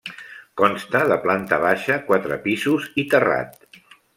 Consta de planta baixa, quatre pisos i terrat.